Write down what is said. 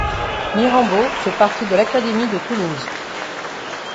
Mirambeau fait partie de l'académie de Toulouse.